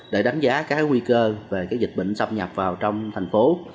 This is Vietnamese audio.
để đánh giá các nguy cơ về dịch bệnh xâm nhập vào trong thành phố